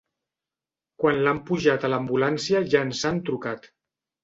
Quan l'han pujat a l'ambulància ja ens han trucat.